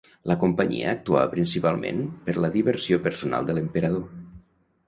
La companyia actuava principalment per la diversió personal de l'emperador.